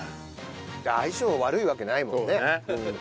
相性悪いわけないもんね。